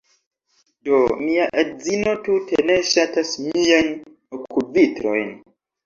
Do, mia edzino tute ne ŝatas miajn okulvitrojn